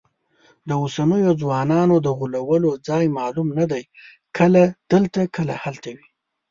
د اوسنیو ځوانانو د غولو ځای معلوم نه دی، کله دلته کله هلته وي.